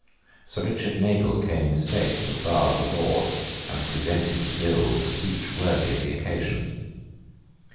Sir Richard Nagle came in state to the bar of the Lords and presented the bill with a speech worthy of the occasion.